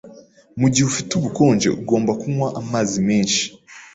Mugihe ufite ubukonje, ugomba kunywa amazi menshi.